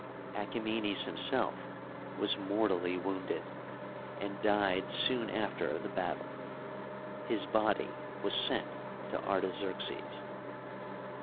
Achae menes himself was mortally wounded, and died soon after the battle. His body was sent to Artaxerxes.